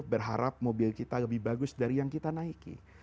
berharap mobil kita lebih bagus dari yang kita naiki